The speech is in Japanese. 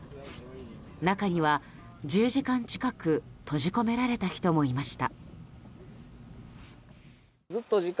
中には、１０時間近く閉じ込められた人もいました。